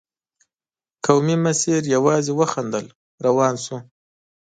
قومي مشر يواځې وخندل، روان شو.